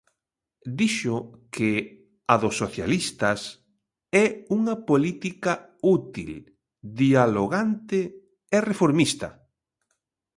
Dixo que a dos socialistas é unha política útil, dialogante e reformista.